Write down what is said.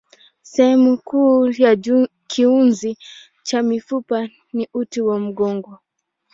Sehemu kuu ya kiunzi cha mifupa ni uti wa mgongo.